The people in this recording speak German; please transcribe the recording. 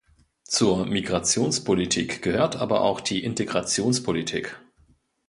Zur Migrationspolitik gehört aber auch die Integrationspolitik.